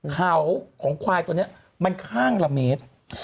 เขาของควายตัวนี้มันข้างละเมตร